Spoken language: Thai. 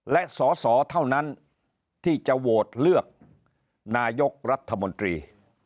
และสอสอเท่านั้นที่จะโหวตเลือกนายกรัฐมนตรี